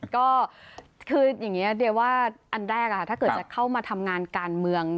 ก็คืออย่างนี้เดียว่าอันแรกถ้าเกิดจะเข้ามาทำงานการเมือง